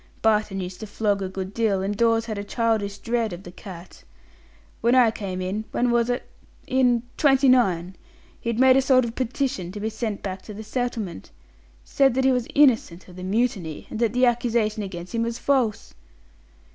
Barton used to flog a good deal, and Dawes had a childish dread of the cat. When I came in when was it? in '29, he'd made a sort of petition to be sent back to the settlement. Said that he was innocent of the mutiny, and that the accusation against him was false."